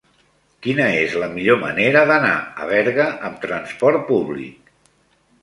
Quina és la millor manera d'anar a Berga amb trasport públic?